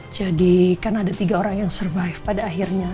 jadi kan ada tiga orang yang survive pada akhirnya